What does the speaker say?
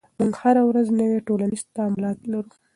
موږ هره ورځ نوي ټولنیز تعاملات لرو.